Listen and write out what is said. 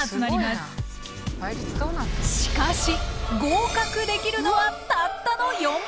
しかし合格できるのはたったの４％！